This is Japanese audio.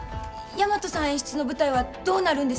大和さん演出の舞台はどうなるんですか？